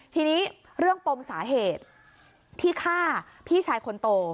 ทีนี้เรื่องปมสาเหตุที่ฆ่าพี่ชายคนโต